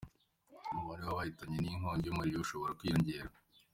Umubare w'abahitanywe n'iyi nkongi y'umuriro ushobora kwiyongera.